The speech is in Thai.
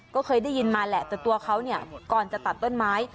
ก็เคยได้ยินมาแหละแต่ตัวเขาเนี่ยก่อนจะตัดต้นไม้